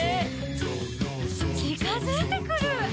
「ちかづいてくる！」